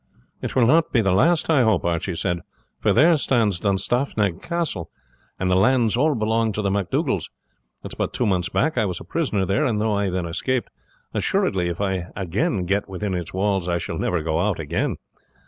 "It will not be the last, I hope," Archie said, "for there stands Dunstaffnage Castle, and the lands all belong to the MacDougalls. It is but two months back I was a prisoner there, and though I then escaped, assuredly if I again get within its walls I shall never go out again.